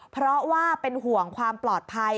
เพราะว่าเป็นห่วงความปลอดภัย